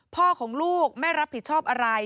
พ่อของลูกไม่รับผิดชอบอะไร